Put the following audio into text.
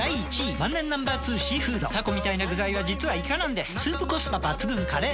万年Ｎｏ．２「シーフード」タコみたいな具材は実はイカなんですスープコスパ抜群「カレー」！